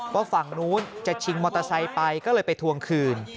ว่าฝั่งนู้นจะชิงมอเตอร์ไซค์ไปก็เลยไปทวงคืน